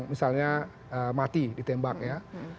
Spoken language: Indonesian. misalnya mati ditembak ya